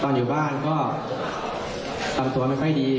ตอนอยู่บ้านก็ความสวยไม่ค่อยดี